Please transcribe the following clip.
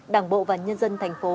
đảng bộ và nhân dân thành phố